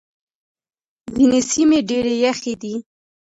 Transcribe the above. ځينې سيمې ډېرې يخې دي.